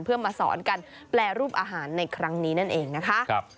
เพื่อมาสอนกันแปรรูปอาหารในครั้งนี้นั่นเองนะคะ